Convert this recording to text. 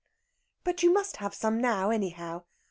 "But you must have some now, anyhow.